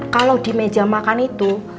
kalau di meja makan itu